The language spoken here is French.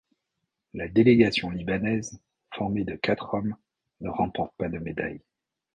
La délégation libanaise, formée de quatre hommes, ne remporte pas de médaille.